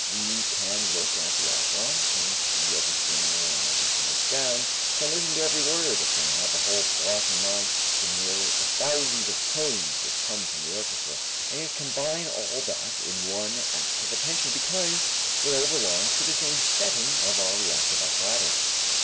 We can look at the opera, can see every singer and every singer's gown, can listen to every word, can have the whole plot in mind, can hear the thousands of tones which come from the orchestra; and yet combine all that in one act of attention, because it all belongs to the same setting of our reactive apparatus.